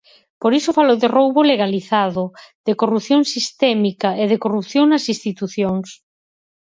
Por iso falo de roubo legalizado, de corrupción sistémica e de corrupción nas institucións.